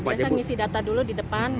biasanya ngisi data dulu di depan